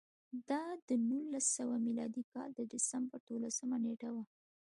دا د نولس سوه میلادي کال د ډسمبر دولسمه نېټه وه